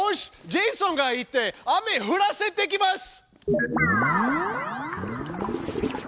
ジェイソンが行って雨降らせてきます。